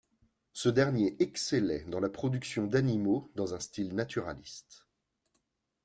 Ce dernier excellait dans la production d'animaux dans un style naturaliste.